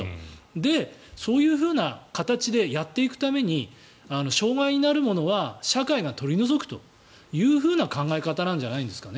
で、そういう形でやっていくために障害になるものは社会が取り除くという考え方じゃないんですかね。